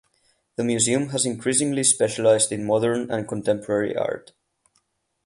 The museum has increasingly specialized in modern and contemporary art.